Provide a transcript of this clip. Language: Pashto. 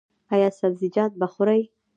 ایا سبزیجات به خورئ؟